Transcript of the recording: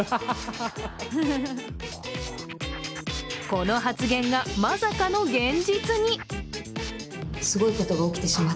この発言がまさかの現実に。